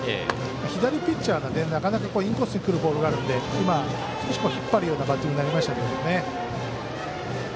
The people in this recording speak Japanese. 左ピッチャーなので、なかなかインコースにくるボールがあるので引っ張るようなバッティングになりましたけどね。